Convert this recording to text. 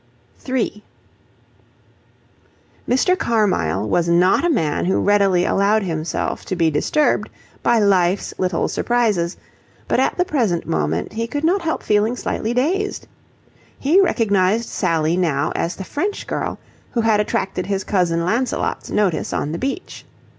3 Mr. Carmyle was not a man who readily allowed himself to be disturbed by life's little surprises, but at the present moment he could not help feeling slightly dazed. He recognized Sally now as the French girl who had attracted his cousin Lancelot's notice on the beach.